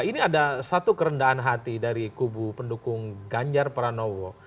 ini ada satu kerendahan hati dari kubu pendukung ganjar pranowo